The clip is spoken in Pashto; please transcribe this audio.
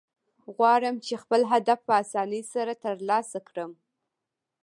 غواړم، چي خپل هدف په آساني سره ترلاسه کړم.